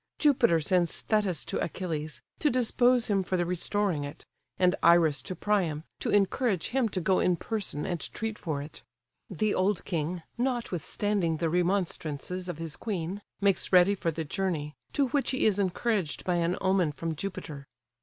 Jupiter sends Thetis to Achilles, to dispose him for the restoring it, and Iris to Priam, to encourage him to go in person and treat for it. The old king, notwithstanding the remonstrances of his queen, makes ready for the journey, to which he is encouraged by an omen from Jupiter.